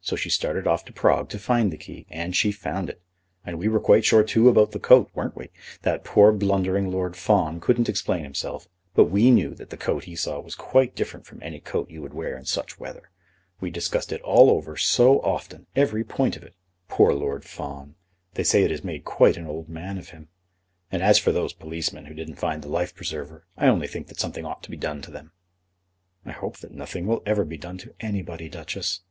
So she started off to Prague to find the key; and she found it. And we were quite sure too about the coat; weren't we. That poor blundering Lord Fawn couldn't explain himself, but we knew that the coat he saw was quite different from any coat you would wear in such weather. We discussed it all over so often; every point of it. Poor Lord Fawn! They say it has made quite an old man of him. And as for those policemen who didn't find the life preserver; I only think that something ought to be done to them." "I hope that nothing will ever be done to anybody, Duchess."